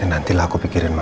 ya nantilah aku pikirin ma